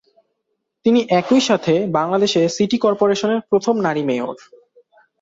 তিনি একই সাথে বাংলাদেশের সিটি কর্পোরেশনের প্রথম নারী মেয়র।